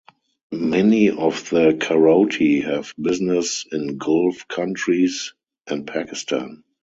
Many of the Kharoti have business in gulf countries and Pakistan.